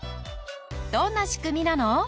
どんな仕組みなの？